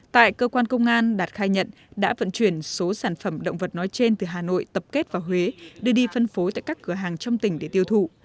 tại cơ quan công an đạt khai nhận đã vận chuyển số sản phẩm động vật nói trên từ hà nội tập kết vào huế đưa đi phân phối tại các cửa hàng trong tỉnh để tiêu thụ